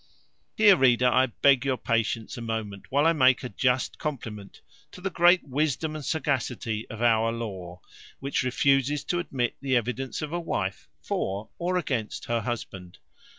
Here, reader, I beg your patience a moment, while I make a just compliment to the great wisdom and sagacity of our law, which refuses to admit the evidence of a wife for or against her husband.